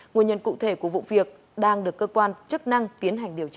nguyên nhân cụ thể của vụ việc đang được cơ quan chức năng tiến hành điều tra